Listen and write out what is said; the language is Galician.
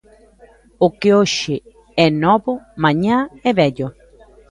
O que hoxe é novo mañá é vello.